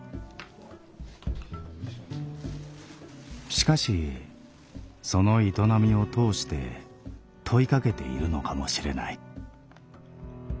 しかしその営みを通して問いかけているのかもしれない。